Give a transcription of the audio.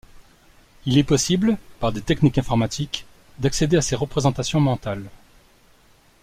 Il est possible par des techniques informatiques d'accéder à ces représentations mentales.